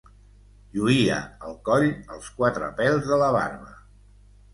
Lluïa al coll, els quatre pèls de la barba.